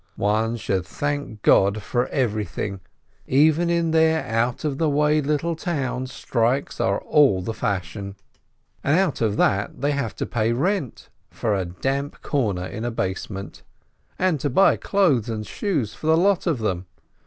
One should thank God for everything, even in 144 SHOLOM ALECHEM their out of the way little town strikes are all the fash ion! And out of that they have to pay rent — for a damp corner in a basement. To buy clothes and shoes for the lot of them